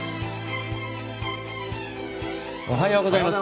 おはようございます。